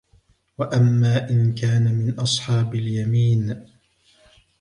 وَأَمَّا إِنْ كَانَ مِنْ أَصْحَابِ الْيَمِينِ